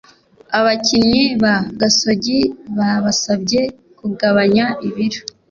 abakinnyi ba gasogi babasabye kugabanya ibiro